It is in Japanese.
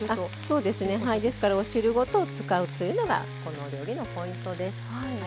ですからお汁ごと使うというのがこのお料理のポイントです。